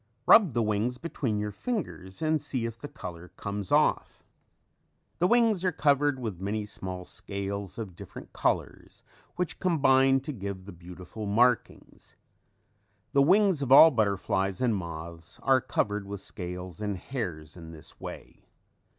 Rub the wings between your fingers and see if the color comes off. The wings are covered with very small scales of different colors which combine to give the beautiful markings. The wings of all butterflies and moths are covered with scales and hairs in this way.